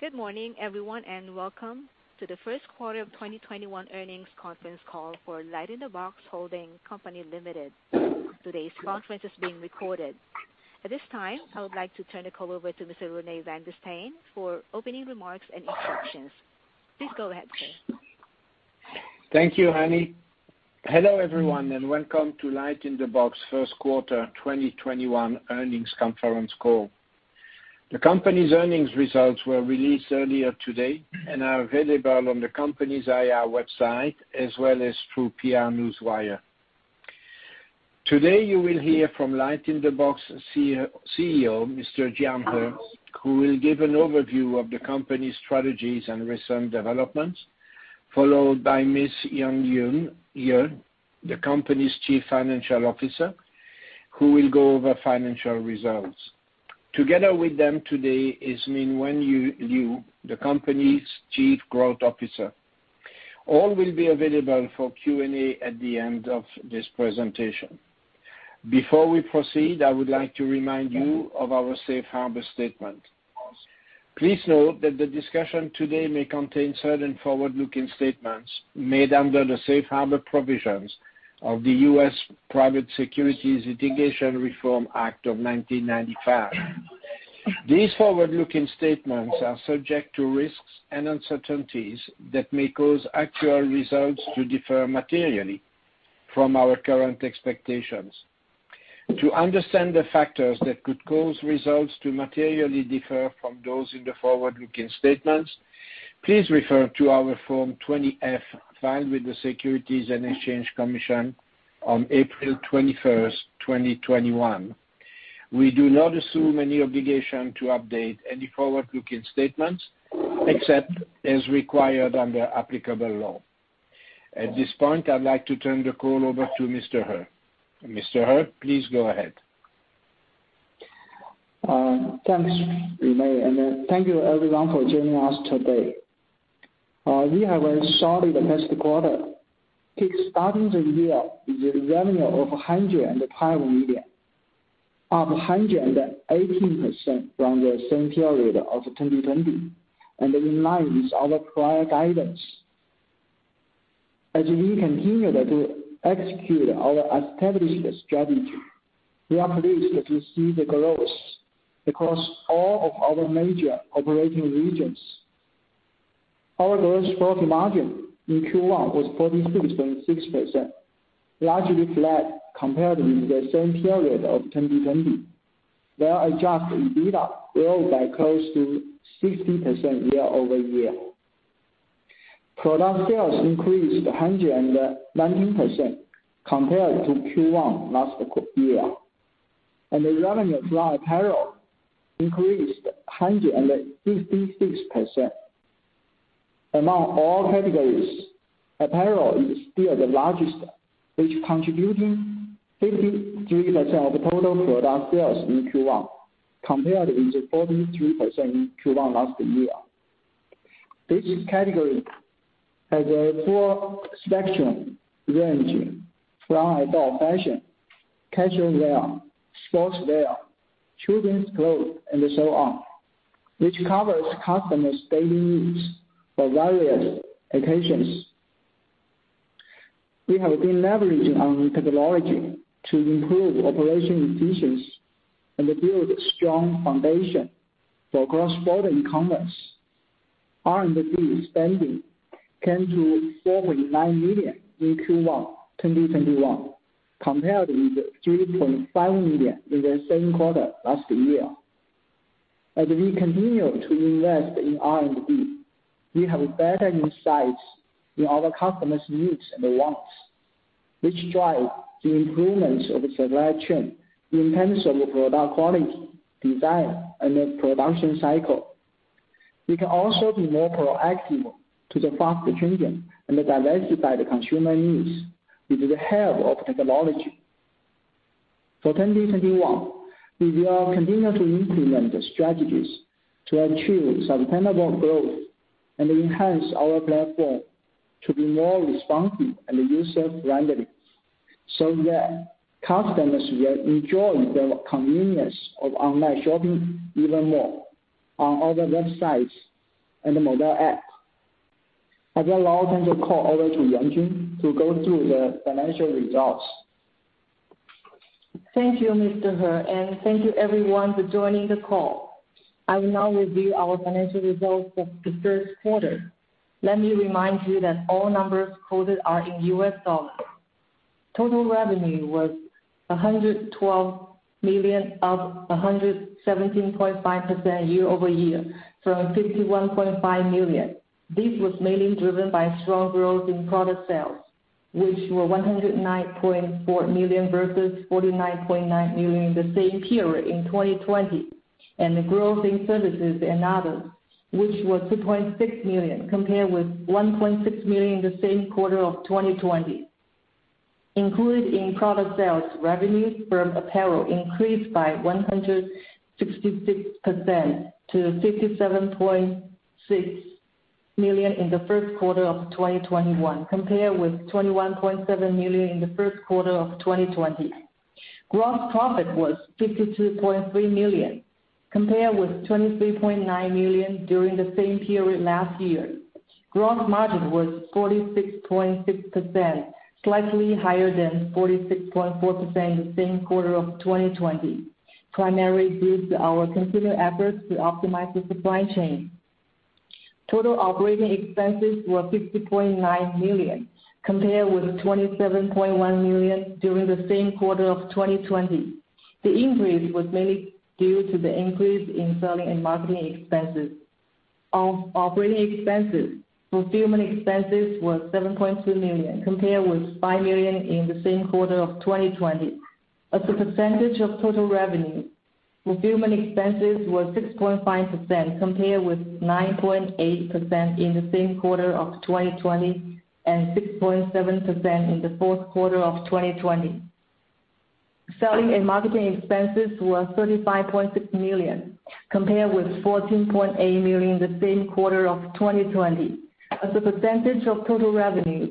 Good morning, everyone. Welcome to the first quarter of 2021 earnings conference call for LightInTheBox Holding Co., Ltd. Today's conference is being recorded. At this time, I would like to turn the call over to Mr. Rene Vanguestaine for opening remarks and introductions. Please go ahead, sir. Thank you, Annie. Hello, everyone, welcome to LightInTheBox first quarter 2021 earnings conference call. The company's earnings results were released earlier today and are available on the company's IR website, as well as through PR Newswire. Today, you will hear from LightInTheBox Chief Executive Officer, Mr. Jian He, who will give an overview of the company's strategies and recent developments, followed by Ms. Yuanjun Ye, the company's Chief Financial Officer, who will go over financial results. Together with them today is Wenyu Liu, the company's Chief Growth Officer. All will be available for Q&A at the end of this presentation. Before we proceed, I would like to remind you of our safe harbor statement. Please note that the discussion today may contain certain forward-looking statements made under the safe harbor provisions of the U.S. Private Securities Litigation Reform Act of 1995. These forward-looking statements are subject to risks and uncertainties that may cause actual results to differ materially from our current expectations. To understand the factors that could cause results to materially differ from those in the forward-looking statements, please refer to our Form 20-F filed with the Securities and Exchange Commission on April 21st, 2021. We do not assume any obligation to update any forward-looking statements except as required under applicable law. At this point, I'd like to turn the call over to Mr. He. Mr. Jian He, please go ahead. Thanks, Rene. Thank you everyone for joining us today. We have a very solid first quarter, kick-starting the year with a revenue of $112 million, up 118% from the same period of 2020, and in line with our prior guidance. As we continued to execute our established strategy, we are pleased to see the growth across all of our major operating regions. Our gross profit margin in Q1 was 46.6%, largely flat compared with the same period of 2020, while adjusted EBITDA grew by close to 60% year-over-year. Product sales increased 119% compared to Q1 last year, and the revenues from apparel increased 166%. Among all categories, apparel is still the largest, which contributing 53% of total product sales in Q1 compared with the 43% in Q1 last year. This category has a full spectrum ranging from adult fashion, casual wear, sportswear, children's clothes, and so on, which covers customers' daily needs for various occasions. We have been leveraging on technology to improve operation efficiency and build a strong foundation for cross-border e-commerce. R&D spending came to $4.9 million in Q1 2021, compared with $3.5 million in the same quarter last year. As we continue to invest in R&D, we have better insights in our customers' needs and wants, which drive the improvements of the supply chain in terms of the product quality, design, and the production cycle. We can also be more proactive to the fast-changing and diversified consumer needs with the help of technology. For 2021, we will continue to implement the strategies to achieve sustainable growth and enhance our platform to be more responsive and user-friendly so that customers will enjoy the convenience of online shopping even more on all the websites and the mobile app. I will now turn the call over to Yuanjun Ye to go through the financial results. Thank you, Mr. He, thank you everyone for joining the call. I will now review our financial results for the first quarter. Let me remind you that all numbers quoted are in U.S. dollars. Total revenue was $112 million, up 117.5% year-over-year from $61.5 million. This was mainly driven by strong growth in product sales, which were $109.4 million versus $49.9 million the same period in 2020, and the growth in services and other, which was $2.6 million compared with $1.6 million the same quarter of 2020. Included in product sales, revenues from apparel increased by 166% to $57.6 million in the first quarter of 2021, compared with $21.7 million in the first quarter of 2020. Gross profit was $52.3 million, compared with $23.9 million during the same period last year. Gross margin was 46.6%, slightly higher than 46.4% in the same quarter of 2020, primarily due to our continued efforts to optimize the supply chain. Total operating expenses were $50.9 million, compared with $27.1 million during the same quarter of 2020. The increase was mainly due to the increase in selling and marketing expenses. Of operating expenses, fulfillment expenses were $7.2 million, compared with $5 million in the same quarter of 2020. As a percentage of total revenue, fulfillment expenses were 6.5%, compared with 9.8% in the same quarter of 2020 and 6.7% in the fourth quarter of 2020. Selling and marketing expenses were $35.6 million, compared with $14.8 million in the same quarter of 2020. As a percentage of total revenue,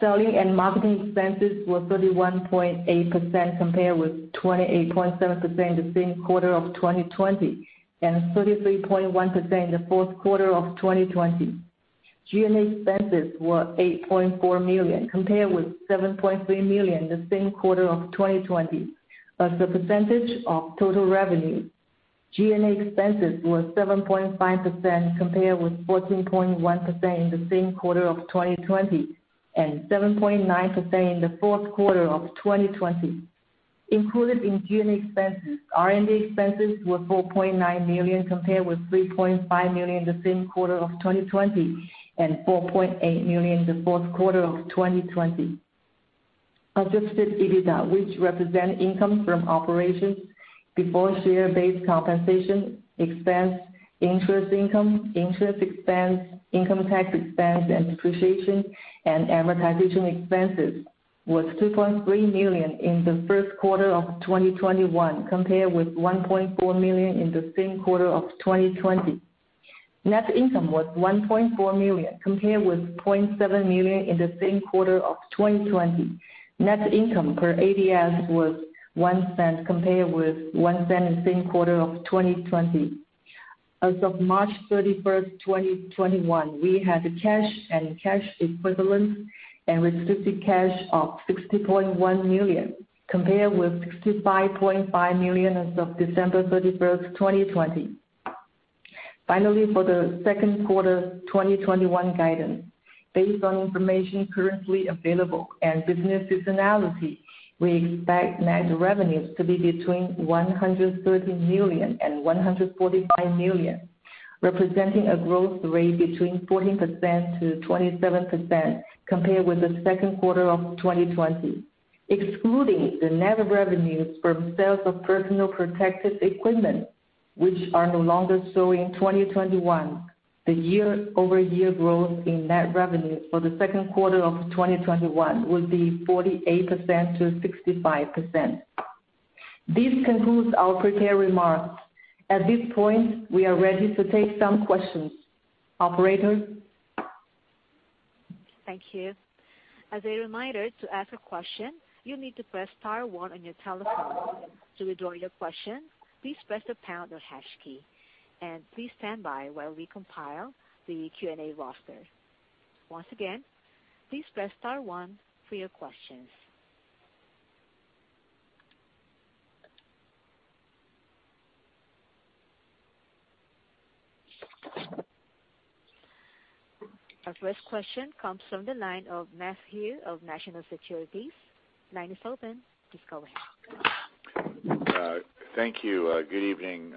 selling and marketing expenses were 31.8%, compared with 28.7% in the same quarter of 2020 and 33.1% in the fourth quarter of 2020. G&A expenses were $8.4 million, compared with $7.3 million in the same quarter of 2020. As a percentage of total revenue, G&A expenses were 7.5%, compared with 14.1% in the same quarter of 2020 and 7.9% in the fourth quarter of 2020. Included in G&A expenses, R&D expenses were $4.9 million, compared with $3.5 million in the same quarter of 2020 and $4.8 million in the fourth quarter of 2020. Adjusted EBITDA, which represent income from operations before share-based compensation expense, interest income, interest expense, income tax expense, depreciation, and amortization expenses, was $2.3 million in the first quarter of 2021, compared with $1.4 million in the same quarter of 2020. Net income was $1.4 million, compared with $0.7 million in the same quarter of 2020. Net income per American Depositary Share was $0.01, compared with $0.01 in the same quarter of 2020. As of March 31st, 2021, we had cash and cash equivalents and restricted cash of $60.1 million, compared with $65.5 million as of December 31, 2020. Finally, for the second quarter 2021 guidance, based on information currently available and business seasonality, we expect net revenues to be between $130 million and $145 million, representing a growth rate between 14% and 27% compared with the second quarter of 2020. Excluding the net revenues from sales of personal protective equipment, which are no longer sold in 2021, the year-over-year growth in net revenue for the second quarter of 2021 will be 48% to 65%. This concludes our prepared remarks. At this point, we are ready to take some questions. Operator? Thank you. As a reminder, to ask a question, you need to press star one on your telephone. To withdraw your question, please press the pound or hash key. Please stand by while we compile the Q&A roster. Once again, please press star one for your questions. Our first question comes from the line of Matt Hu of National Securities. Line is open. Please go ahead. Thank you. Good evening.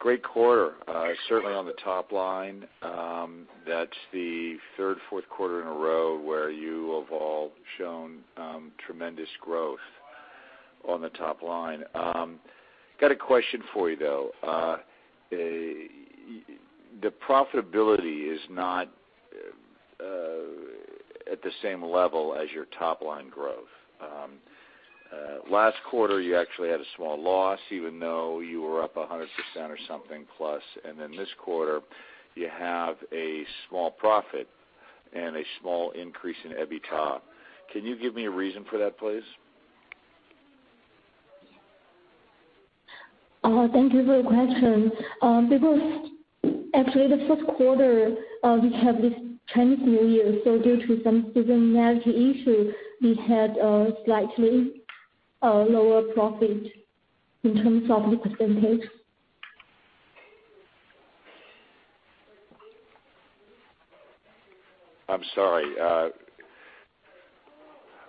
Great quarter. Thanks. Certainly on the top line. That's the third fourth quarter in a row where you have all shown tremendous growth on the top line. Got a question for you, though. The profitability is not at the same level as your top-line growth. Last quarter, you actually had a small loss, even though you were up 100% or something plus. Then this quarter, you have a small profit and a small increase in EBITDA. Can you give me a reason for that, please? Thank you for the question. Actually the first quarter, we have this change associated with some certain legacy issue. We had a slightly lower profit in terms of the percentage. I'm sorry.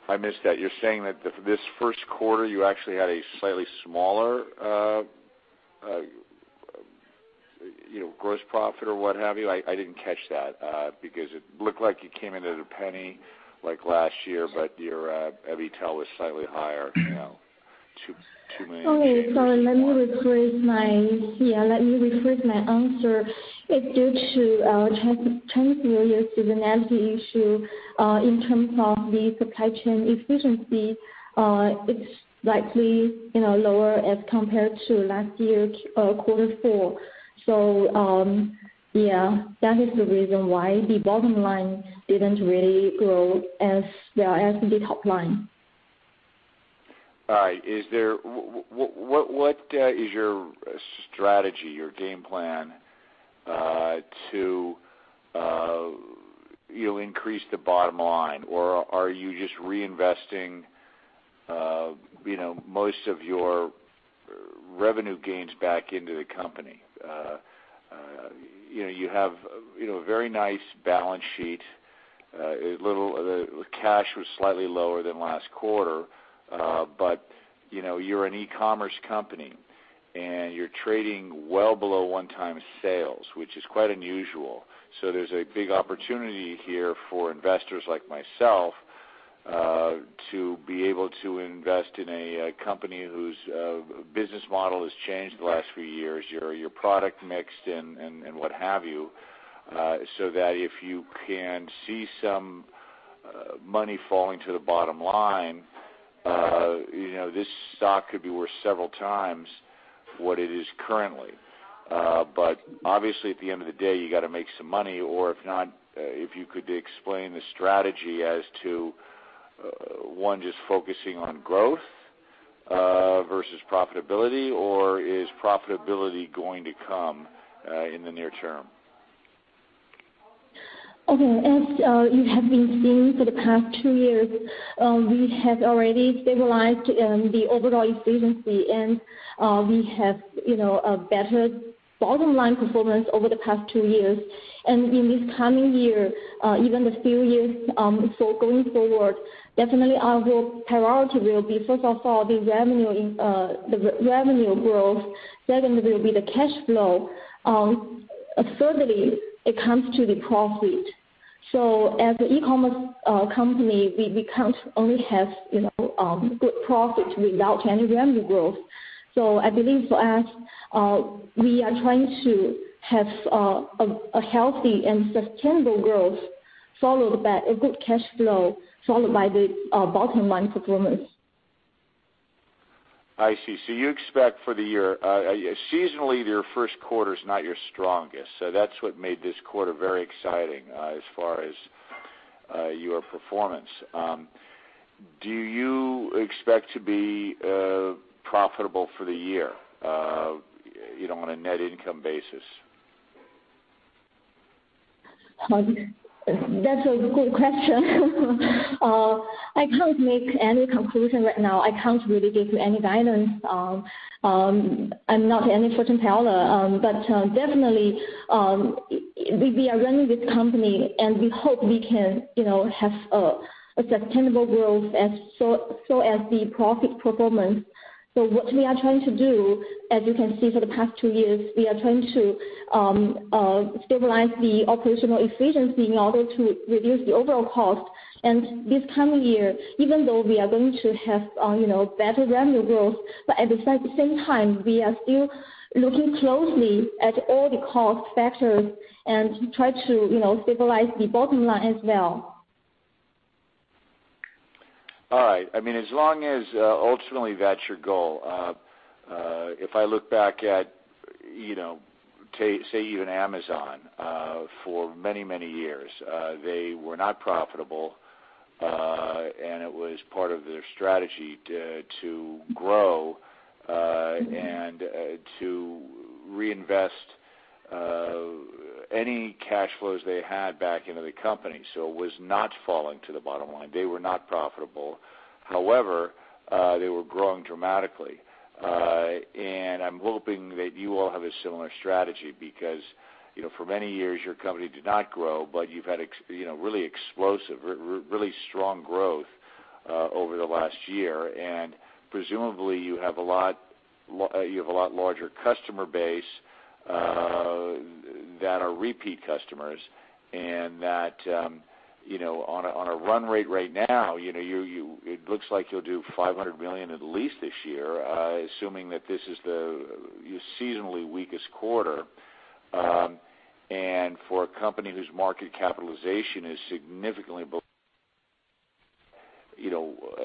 I missed that. You're saying that this first quarter, you actually had a slightly smaller gross profit or what have you? I didn't catch that because it looked like you came into the penny like last year, but your EBITDA was slightly higher, $2 million. Okay. Sorry. Let me rephrase my answer. It gives you a change in legacy issue in terms of the supply chain efficiency. It's slightly lower as compared to last year quarter four. Yeah, that is the reason why the bottom line didn't really grow as big one. All right. What is your strategy, your game plan, to increase the bottom line? Are you just reinvesting most of your revenue gains back into the company? You have a very nice balance sheet. The cash was slightly lower than last quarter. You're an e-commerce company, and you're trading well below one times sales, which is quite unusual. There's a big opportunity here for investors like myself to be able to invest in a company whose business model has changed the last few years, your product mix and what have you, so that if you can see some money falling to the bottom line, this stock could be worth several times what it is currently. Obviously, at the end of the day, you've got to make some money. If not, if you could explain the strategy as to, one, just focusing on growth versus profitability, or is profitability going to come in the near term? Okay. As you have been seeing for the past two years, we have already stabilized the overall efficiency, and we have a better bottom line performance over the past two years. In this coming year, even the few years so going forward, definitely our whole priority will be, first of all, the revenue growth. Secondly, will be the cash flow. Thirdly, it comes to the profit. As an e-commerce company, we can't only have good profits without any revenue growth. I believe for us, we are trying to have a healthy and sustainable growth, followed by a good cash flow, followed by the bottom line performance. I see. You expect for the year, seasonally, your first quarter is not your strongest, so that's what made this quarter very exciting as far as your performance. Do you expect to be profitable for the year on a net income basis? That's a good question. I can't make any conclusion right now. I can't really give any guidance. I'm not any fortune teller. Definitely, we are running this company, and we hope we can have a sustainable growth as for as the profit performance. What we are trying to do, as you can see for the past two years, we are trying to stabilize the operational efficiency in order to reduce the overall cost. This coming year, even though we are going to have better revenue growth, but at the same time, we are still looking closely at all the cost factors and to try to stabilize the bottom line as well. All right. As long as ultimately that's your goal. If I look back at, say, even Amazon, for many, many years, they were not profitable, and it was part of their strategy to grow and to reinvest any cash flows they had back into the company. It was not falling to the bottom line. They were not profitable. However, they were growing dramatically. I'm hoping that you all have a similar strategy because, for many years, your company did not grow, but you've had really explosive, really strong growth over the last year. Presumably, you have a lot larger customer base that are repeat customers, and that on a run rate right now, it looks like you'll do $500 million at the least this year, assuming that this is the seasonally weakest quarter. For a company whose market capitalization is significantly below,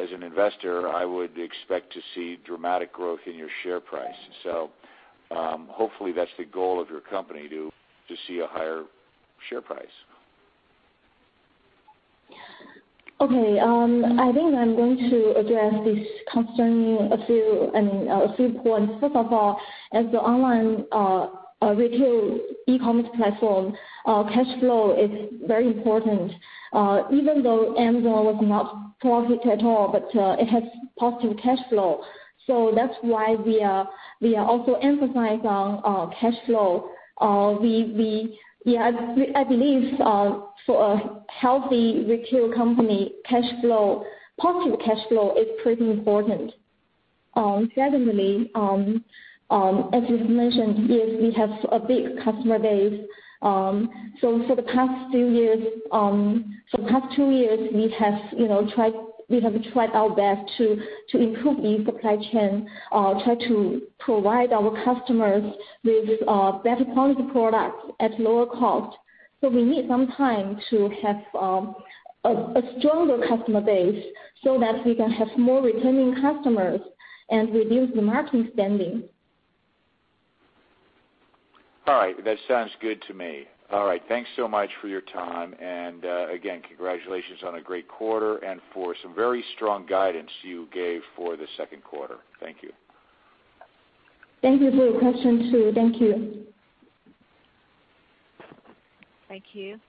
as an investor, I would expect to see dramatic growth in your share price. Hopefully that's the goal of your company, to see a higher share price. Okay. I think I'm going to address this concern a few points. First of all, as the online retail e-commerce platform, cash flow is very important. Even though Amazon was not profit at all, but it has positive cash flow. That's why we are also emphasizing on cash flow. At least for a healthy retail company, positive cash flow is pretty important. Secondly, as you've mentioned, yes, we have a big customer base. For the past two years, we have tried our best to improve the supply chain, try to provide our customers with better quality products at lower cost. We need some time to have a stronger customer base so that we can have more returning customers and reduce the marketing spending. All right. That sounds good to me. All right. Thanks so much for your time. Again, congratulations on a great quarter and for some very strong guidance you gave for the second quarter. Thank you. Thank you for your question, too. Thank you. Thank you.